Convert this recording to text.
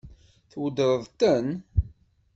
Tweddṛeḍ-ten?